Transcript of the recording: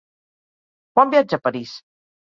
Quan viatja a París?